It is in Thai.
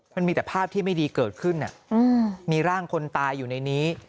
มันมีแต่ภาพที่ไม่ดีเกิดขึ้นมีร่างคนตายอยู่ในนี้